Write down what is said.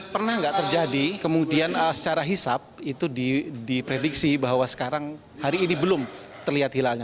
pernah nggak terjadi kemudian secara hisap itu diprediksi bahwa sekarang hari ini belum terlihat hilangnya